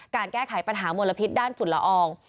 แก้ไขปัญหามลพิษด้านฝุ่นละออง